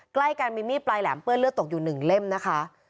ใกล้กันมีมีดปลายแหลมเปื้อนเลือดตกอยู่๑เล่มนะคะ